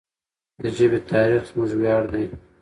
د ژبې تاریخ زموږ ویاړ دی.